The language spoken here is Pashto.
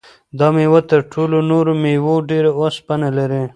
دا مېوه تر ټولو نورو مېوو ډېر اوسپنه لري.